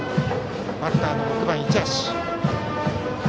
バッターの６番、市橋。